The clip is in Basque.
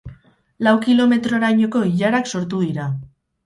Lau kilometrorainoko ilarak sortu dira.